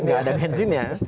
nggak ada bensin ya